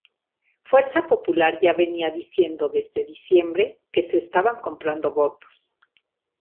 Fuerza Popular ya venía diciendo desde diciembre que se estaban comprando votos.